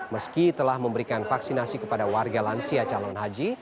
meski telah memberikan vaksinasi kepada warga lansia calon haji